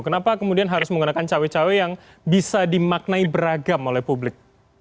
kenapa kemudian harus menggunakan cawe cawe yang bisa dimaknai beragam oleh publik